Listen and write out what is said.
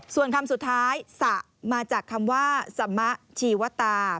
ส่วนคำสุดท้ายสะมาจากคำว่าสมชีวตา